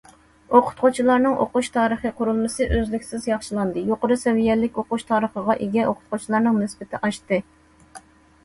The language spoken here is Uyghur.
ئوقۇتقۇچىلارنىڭ ئوقۇش تارىخى قۇرۇلمىسى ئۈزلۈكسىز ياخشىلاندى، يۇقىرى سەۋىيەلىك ئوقۇش تارىخىغا ئىگە ئوقۇتقۇچىلارنىڭ نىسبىتى ئاشتى.